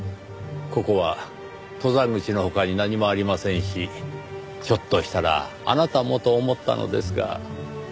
ここは登山口の他に何もありませんしひょっとしたらあなたもと思ったのですが。